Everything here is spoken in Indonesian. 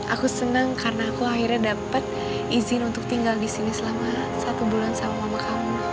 aku senang karena aku akhirnya dapat izin untuk tinggal di sini selama satu bulan sama mama kamu